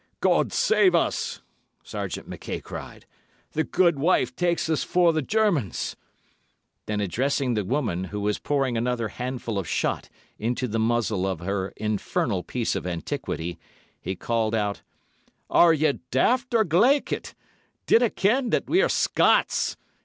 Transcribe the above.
"God save us!" Sergeant Mackay cried. "The gude wife takes us for Germans." Then addressing the woman, who was pouring another handful of shot into the muzzle of her infernal piece of antiquity, he called out, "Are ye daft or glaikit? Dinna ken that we are Scots.